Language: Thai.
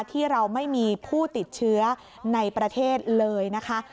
ที่เราไม่มีผู้ติดเชื้อในประเทศเลยนะคะ